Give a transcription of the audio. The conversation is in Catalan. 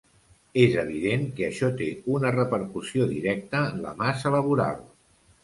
És evident que això té una repercussió directa en la massa laboral.